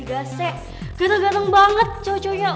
gateng gateng banget cowok cowoknya